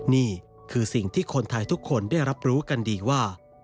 นี่คือสิ่งที่คนไทยทุกคนได้รับรู้กันดีว่า